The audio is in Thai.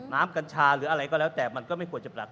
กัญชาหรืออะไรก็แล้วแต่มันก็ไม่ควรจะปรับ